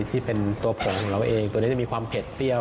ที่เป็นตัวผงของเราเองตัวนี้จะมีความเผ็ดเปรี้ยว